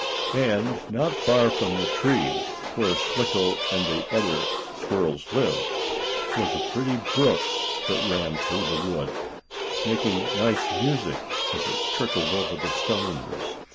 And, not far from the tree where Slicko and the other squirrels lived, was a pretty brook that ran through the wood, making nice music as it trickled over the stones.